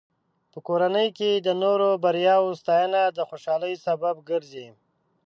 په کورنۍ کې د نورو بریاوو ستاینه د خوشحالۍ سبب ګرځي.